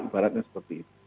ibaratnya seperti itu